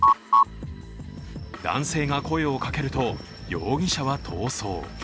男性が声をかけると容疑者は逃走。